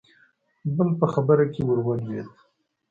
بل په خبره کې ورولوېد: